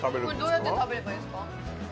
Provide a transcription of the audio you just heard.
どうやって食べればいいですか？